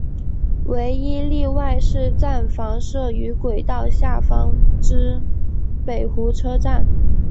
唯一例外是站房设于轨道下方之北湖车站。